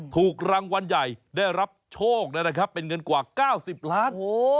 ถูกรางวัลใหญ่ได้รับโชคนะครับเป็นเงินกว่า๙๐ล้าน